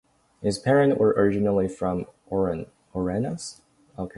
His parents were originally from Ornans.